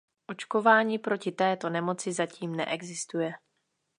Očkování proti této nemoci zatím neexistuje.